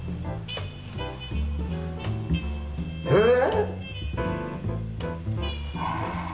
えっ？